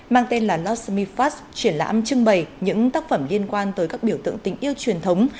mang tên là lost me fast triển lãm trưng bày những tác phẩm liên quan tới các biểu tượng tình yêu truyền thống